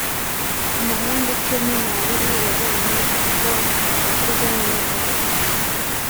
amahembe icumi na abiri wabonye ko yakuze neza